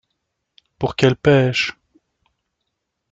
Pour qu’elles pêchent.